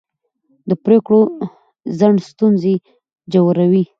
د پرېکړو ځنډ ستونزې ژوروي